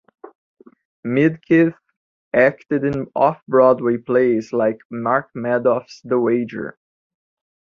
Midkiff acted in off-Broadway plays like Mark Medoff's "The Wager".